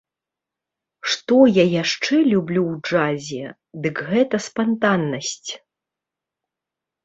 Што я яшчэ люблю ў джазе, дык гэта спантаннасць.